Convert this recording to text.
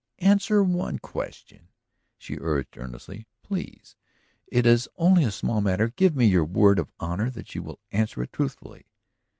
"Answer one question," she urged earnestly. "Please. It is only a small matter. Give me your word of honor that you will answer it truthfully."